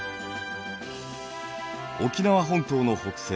沖縄本島の北西